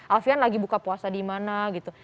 alfian lagi buka puasa di mana gitu